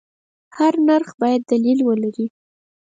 هر نرخ باید دلیل ولري.